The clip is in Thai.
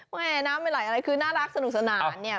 แม่น้ำไม่ไหลอะไรคือน่ารักสนุกสนานเนี่ย